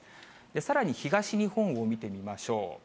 さらに東日本を見てみましょう。